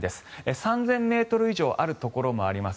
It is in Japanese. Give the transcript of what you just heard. ３０００ｍ以上あるところもあります。